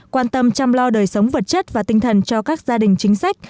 quan tâm chăm lo đời sống vật chất và tinh thần cho các gia đình chính sách